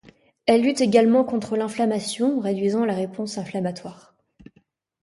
Elle lutte également contre l’inflammation en réduisant la réponse inflammatoire.